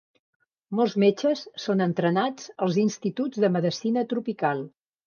Molts metges són entrenats als Instituts de Medicina Tropical.